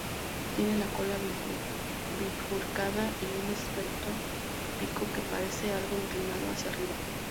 Tiene la cola bifurcada y un esbelto pico que parece algo inclinado hacia arriba.